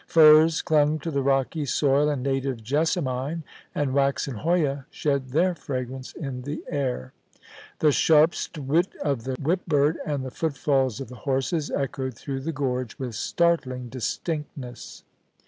Firs clung to the rocky soil, and native jessamine and waxen hoya shed their fragrance in the air. The sharp st wt of the whip bird and the footfalls of the horses echoed through the gorge with startling distinctness.